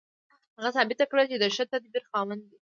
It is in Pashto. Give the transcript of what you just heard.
هغه ثابته کړه چې د ښه تدبیر خاوند دی